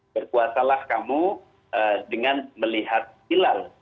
berkuasalah kamu dengan melihat hilal